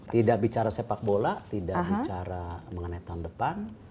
tidak bicara sepak bola tidak bicara mengenai tahun depan